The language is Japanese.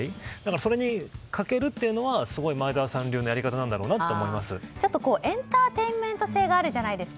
それにかけるというのは前澤さん流のエンターテインメント性があるじゃないですか。